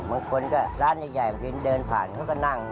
มันพูดว่าร้านใหญ่ขิงเดินผ่านเขาก็นั่ง